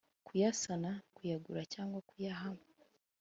Kuyasana kuyagura cyangwa kuyaha